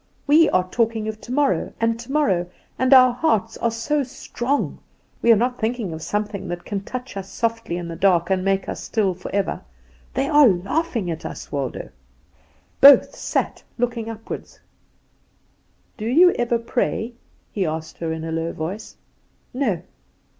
We are talking of tomorrow and tomorrow, and our hearts are so strong; we are not thinking of something that can touch us softly in the dark and make us still forever. They are laughing at us Waldo." Both sat looking upward. "Do you ever pray?" he asked her in a low voice. "No."